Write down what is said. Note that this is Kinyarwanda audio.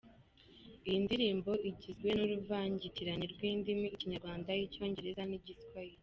Iyi ndirimbo igizwe n’uruvangitirane rw’indimi; Ikinyarwanda, Icyongereza n’Igiswahili.